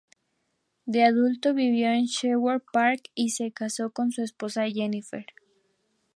De adulto vivió en Sherwood Park y se casó con su esposa Jennifer.